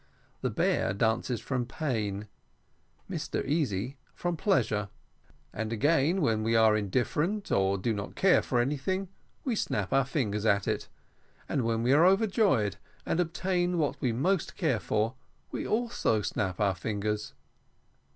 The bear dances from pain, Mr Easy from pleasure; and again, when we are indifferent, or do not care for anything, we snap our fingers at it, and when we are overjoyed and obtain what we most care for, we also snap our fingers.